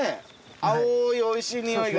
青い美味しいにおいが。